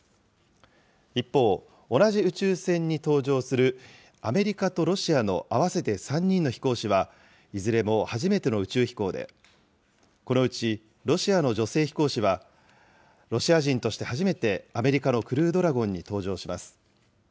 一方、同じ宇宙船に搭乗する、アメリカとロシアの合わせて３人の飛行士は、いずれも初めての宇宙飛行で、このうちロシアの女性飛行士は、ロシア人として初めてアメリカのクルードラゴンに搭乗します。